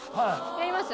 やります？